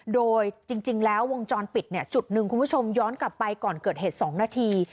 โดยจริงแล้ววงจรปิดจุดหนึ่งคุณผู้ชมย้อนกลับไปก่อนเกิดเหตุ๒นาที